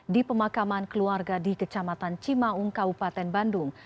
di pemakaman keluarga di kecamatan cimaung kabupaten bandung